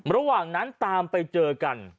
ระหว่างนั้นตามไปเจอกัน